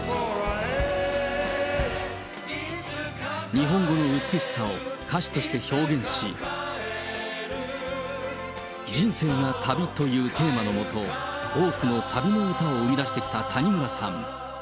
日本語の美しさを歌詞として表現し、人生が旅というテーマのもと、多くの旅の歌を生み出してきた谷村さん。